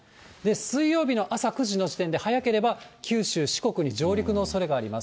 水曜日の朝９時の時点で、早ければ九州、四国に上陸のおそれがあります。